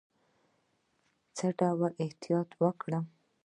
څه ډول احتیاط وکړم؟